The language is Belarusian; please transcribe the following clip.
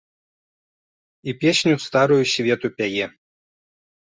І песню старую свету пяе.